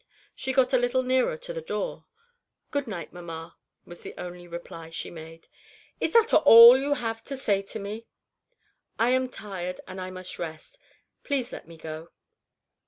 She got a little nearer to the door. "Good night, mamma," was the only reply she made. "Is that all you have to say to me?" "I am tired, and I must rest. Please let me go."